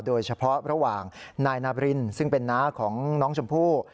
โดยเฉพาะระหว่างนายนาบรินซึ่งเป็นน้าของน้องชมพู่